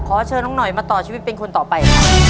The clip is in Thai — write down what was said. ขอเชิญน้องหน่อยมาต่อชีวิตเป็นคนต่อไป